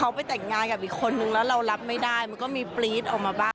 เขาไปแต่งงานกับอีกคนนึงแล้วเรารับไม่ได้มันก็มีปรี๊ดออกมาบ้าง